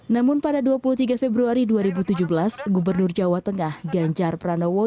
namun pada dua puluh tiga februari dua ribu tujuh belas gubernur jawa tengah ganjar pranowo